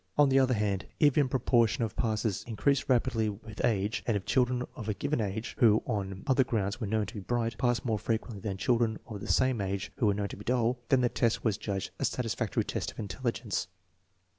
On the other hand, if the proportion of passes increased rapidly with age, and if children of a given age, who on other grounds were known to be bright, passed more frequently than children of the same age who were known to be dull, then the test was judged a satisfactory test of intelligence.